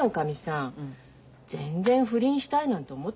全然不倫したいなんて思ってませんよ。